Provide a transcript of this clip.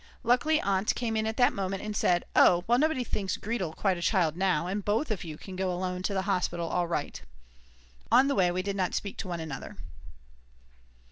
Luckily Aunt came in at that moment and said: "Oh well, nobody thinks Gretl quite a child now, and both of you can go alone to the hospital all right." On the way we did not speak to one another.